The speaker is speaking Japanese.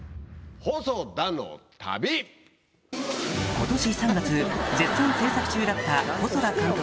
今年３月絶賛制作中だった細田監督